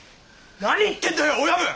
何言ってんだよ親分！